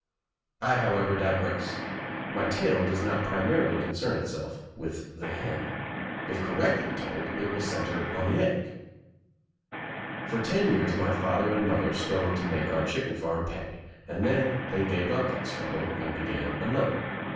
'— I, however, digress. My tale does not primarily con cern itself with the hen. If correctly told it will centre on the egg. For ten years my father and mother strug gled to make our chicken farm pay and then they gave up that struggle and began another.